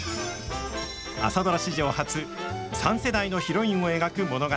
朝ドラ史上初三世代のヒロインを描く物語。